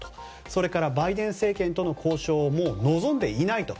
それからバイデン政権との交渉も望んでいないと。